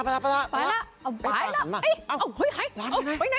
เอ้ยหลานไปไหน